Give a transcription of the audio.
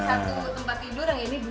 ini satu tempat tidur yang ini dua